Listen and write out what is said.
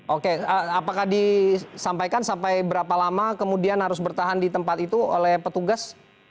oke apakah disampaikan sampai berapa lama kemudian harus bertahan di tempat itu oleh petugas